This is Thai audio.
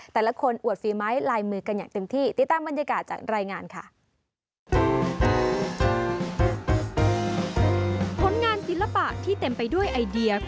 แต่ละคนอวดฟรีไม้ลายมือกันอย่างเต็มที่